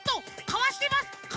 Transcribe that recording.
かわしてます。